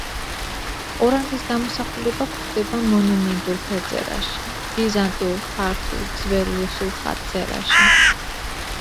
ორანტის გამოსახულება გვხვდება მონუმენტურ ფერწერაში, ბიზანტიურ, ქართულ, ძველ რუსულ ხატწერაში.